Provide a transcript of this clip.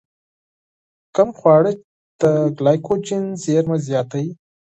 کوم خواړه د ګلایکوجن زېرمه زیاتوي؟